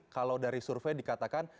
kalau dari survei dikatakan